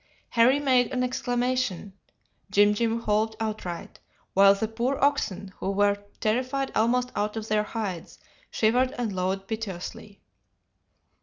"Harry made an exclamation, Jim Jim howled outright, while the poor oxen, who were terrified almost out of their hides, shivered and lowed piteously.